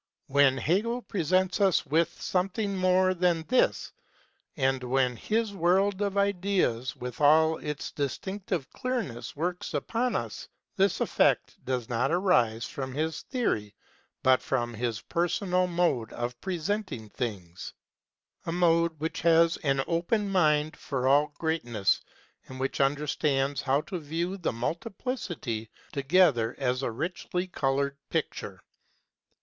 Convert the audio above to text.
When Hegel presents us with something more than this and when his world of ideas with all its distinctive clearness works upon us, this effect does not arise from his theory but from his personal mode of presenting things a mode which has an open mind for all greatness, and which understands how to view the multiplicity together as a richly coloured picture.